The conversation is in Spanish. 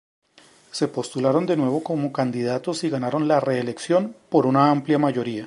Se postularon de nuevo como candidatos y ganaron la reelección por una amplia mayoría.